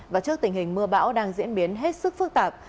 và trước tình hình mưa bão đang diễn biến hết sức phức tạp